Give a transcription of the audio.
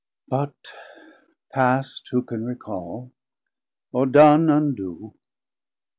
But past who can recall, or don undoe?